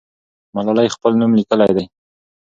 ملالۍ خپل نوم لیکلی دی.